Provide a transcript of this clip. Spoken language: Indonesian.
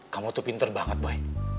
kamu tuh pinter banget baik